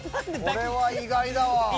これは意外だわ。